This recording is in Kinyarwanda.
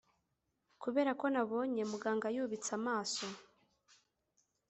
kuberako nabonye muganga yubitse amaso